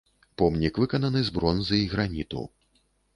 Помнік выкананы з бронзы і граніту.